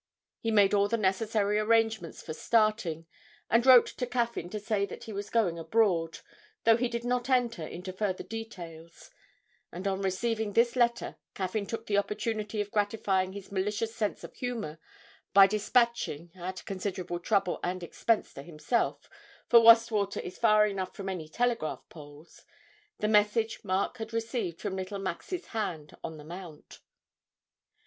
He made all necessary arrangements for starting, and wrote to Caffyn to say that he was going abroad, though he did not enter into further details, and on receiving this letter Caffyn took the opportunity of gratifying his malicious sense of humour by despatching (at considerable trouble and expense to himself, for Wastwater is far enough from any telegraph poles) the message Mark had received from little Max's hand on the mount.